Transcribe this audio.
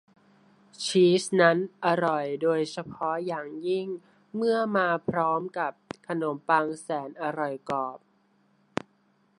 ชีสนั้นอร่อยโดยเฉพาะอย่างยิ่งเมื่อมาพร้อมกับขนมปังแสนอร่อยกรอบ